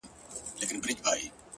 د فکر ازادي ستر نعمت دی!